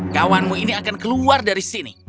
kawanmu ini akan keluar dari sini